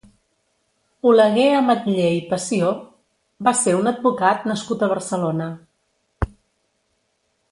Oleguer Ametller i Pessió va ser un advocat nascut a Barcelona.